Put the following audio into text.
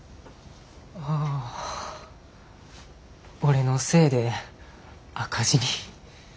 ああ俺のせいで赤字に。